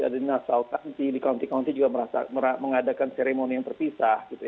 di nassau county di county county juga mengadakan seremoni yang terpisah